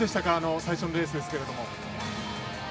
最初のレースですけれども。